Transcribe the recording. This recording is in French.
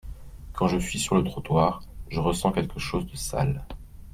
Quand je suis sur le trottoir, je ressens quelque chose de sale.